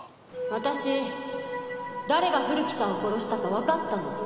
私誰が古木さんを殺したかわかったの。